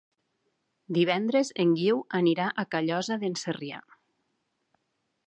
Divendres en Guiu anirà a Callosa d'en Sarrià.